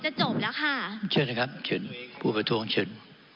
จบแล้วค่ะเชิญเลยครับเชิญผู้ประท้วงเชิญ